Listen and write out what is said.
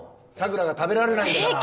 桜が食べられないんだから。